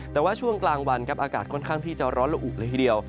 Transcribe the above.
แต่ว่าช่วงกลางวันครับอากาศค่อนข้างที่จะร้อนละอุเลยทีเดียว